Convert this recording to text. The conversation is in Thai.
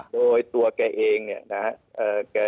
โดยตัวแกเองนะฮะ